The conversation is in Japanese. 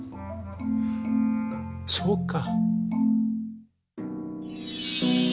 そうか！